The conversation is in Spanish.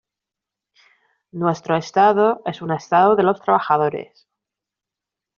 Nuestro Estado es un Estado de los trabajadores.